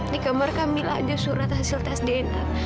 di kamar kami ada surat hasil tes dna